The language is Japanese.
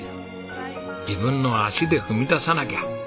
自分の足で踏み出さなきゃ。